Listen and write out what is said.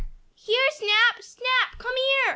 "Here, Snap! Snap! Come here!"